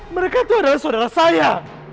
mereka itu adalah saudara saya